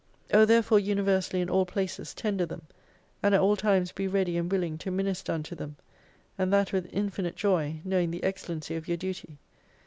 O therefore universally in all places tender them, and at all times be ready and willing to minister unto them. And that with infinite joy, knowing the excel lency of your duty.